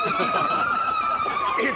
えっ？